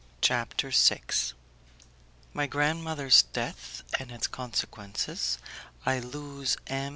CHAPTER VI My Grandmother's Death and Its Consequences I Lose M.